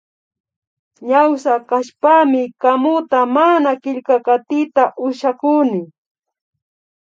Ñawsa kashpami kamuta mana killkakatita ushakuni